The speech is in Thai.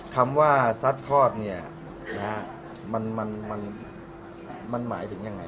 คำว่าซัดทอดเนี่ยนะฮะมันหมายถึงยังไง